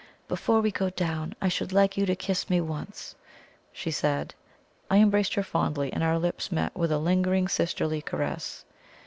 "Before we go down I should like you to kiss me once," she said. I embraced her fondly, and our lips met with a lingering sisterly caress.